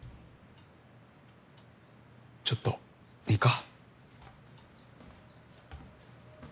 ちょっといいか。